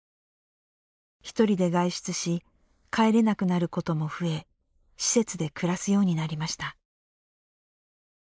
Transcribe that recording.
１人で外出し帰れなくなることも増え施設で暮らすようになりました。